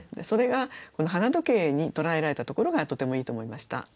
それが花時計に捉えられたところがとてもいいと思いました。